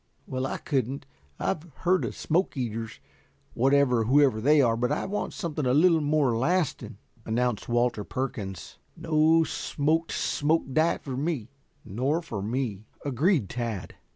"Well, I couldn't. I've heard of smoke eaters, whatever or whoever they are, but I want something a little more lasting," announced Walter Perkins. "No smoked smoke diet for me." "Nor for me," agreed Tad.